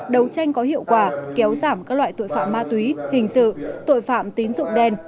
đấu tranh có hiệu quả kéo giảm các loại tội phạm ma túy hình sự tội phạm tín dụng đen